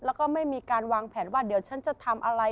แล้วก็ไม่มีการวางแผนว่าเดี๋ยวฉันจะทำอะไร